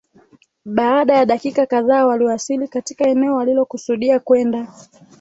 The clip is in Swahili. Baada ya dakika kadhaa waliwasili katika eneo walilokusudia kwenda